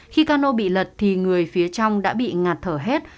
khi cano bị lật thì người phía trong đã bị ngạt thở hết